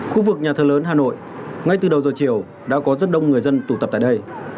khu vực nhà thờ lớn hà nội ngay từ đầu giờ chiều đã có rất đông người dân tụ tập tại đây